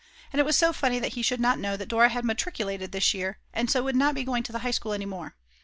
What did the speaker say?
And it was so funny that he should not know that Dora had matriculated this year and so would not be going to the High School any more.